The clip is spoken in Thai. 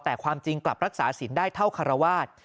แต่ความจริงกลับรักษาสินได้เท่าคารวาส